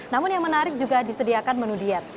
namun yang menarik juga disediakan menu diet